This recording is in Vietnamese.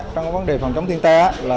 trong vấn đề phòng chống thiên tai